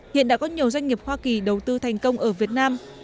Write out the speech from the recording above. hiện đã có nhiều doanh nghiệp hoa kỳ đầu tư thành công ở việt nam